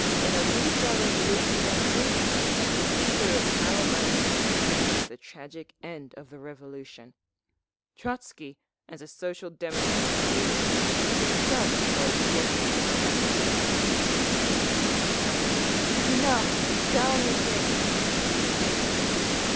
In a bourgeois revolution like this…. the seizure of power by the masses means the tragic end of the Revolution…. Trotzky, as a Social Democratic theorist, is himself opposed to what he is now advocating…." (Cries, "Enough! Down with him!")